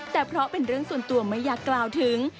แต่เพราะเป็นเรื่องส่วนตัวไม่อยากกล่าวถึง